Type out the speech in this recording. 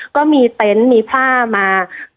ก็มีเต็นต์มีผ้ามา